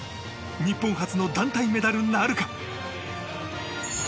日本初の団体メダルなるか。